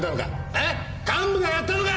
えっ？幹部がやったのか！？